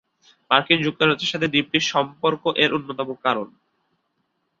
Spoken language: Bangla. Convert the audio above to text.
মার্কিন যুক্তরাষ্ট্রের সাথে দ্বীপটির সম্পর্ক এর অন্যতম কারণ।